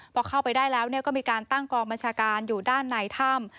พอเข้าไปได้แล้วก็มีการตั้งกองบัญชาการอยู่ด้านในถ้ำ